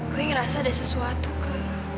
gue ngerasa ada sesuatu ke